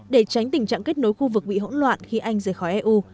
để tránh tình trạng kết nối khu vực bị hỗn loạn khi anh rời khỏi eu